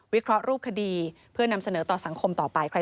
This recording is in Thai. เคราะห์รูปคดีเพื่อนำเสนอต่อสังคมต่อไป